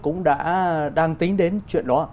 cũng đã đang tính đến chuyện đó